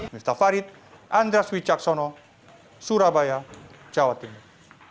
miftah farid andras wicaksono surabaya jawa timur